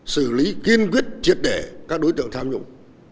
xử lý kiên quyết triệt để các đối tượng tham nhũng